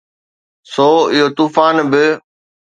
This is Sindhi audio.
سو اهو طوفان به.